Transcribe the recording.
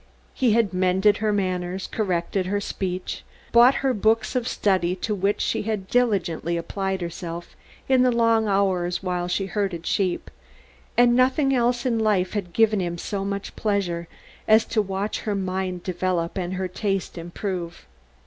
He had mended her manners, corrected her speech, bought her books of study to which she had diligently applied herself in the long hours while she herded sheep, and nothing else in life had given him so much pleasure as to watch her mind develop and her taste improve.